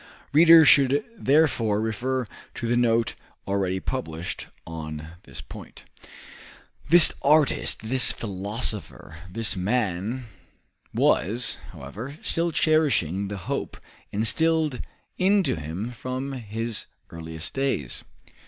Readers should therefore refer to the note already published on this point. This artist, this philosopher, this man was, however, still cherishing the hope instilled into him from his earliest days.